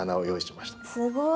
すごい！